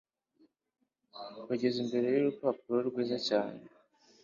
bageze imbere yurupangu rwiza cyane